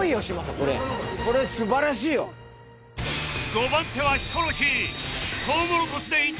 ５番手はヒコロヒーえっ？